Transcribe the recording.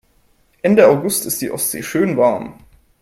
Ende August ist die Ostsee schön warm.